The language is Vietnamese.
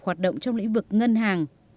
hoạt động trong lĩnh vực ngân hàng